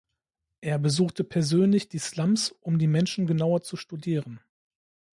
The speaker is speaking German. Er besuchte persönlich die Slums, um die Menschen genauer zu studieren.